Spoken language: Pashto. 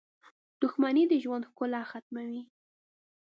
• دښمني د ژوند ښکلا ختموي.